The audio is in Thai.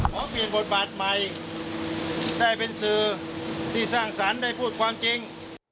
ขอเปลี่ยนบทบาทใหม่ได้เป็นสื่อที่สร้างสรรค์ได้พูดความจริง